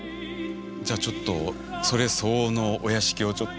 じゃあちょっとそれ相応のお屋敷をちょっと。